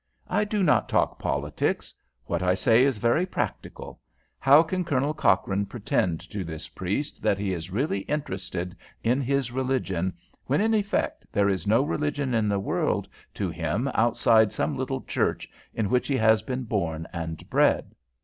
"I do not talk politics. What I say is very practical. How can Colonel Cochrane pretend to this priest that he is really interested in his religion when, in effect, there is no religion in the world to him outside some little church in which he has been born and bred?